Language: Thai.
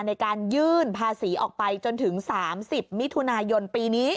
ในการยื่นภาษีออกไปจนถึง๓๐มิถุนายนปีนี้